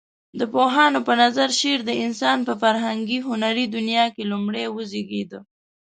د پوهانو په نظر شعر د انسان په فرهنګي هنري دنيا کې لومړى وزيږيده.